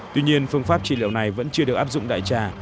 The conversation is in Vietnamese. tuy nhiên phương pháp trị liệu này vẫn chưa được áp dụng đại trà